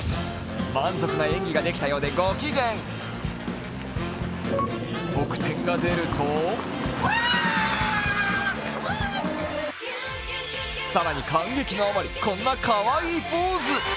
満足な演技ができたようで、ご機嫌得点が出ると更に感激の余りこんなかわいいポーズ。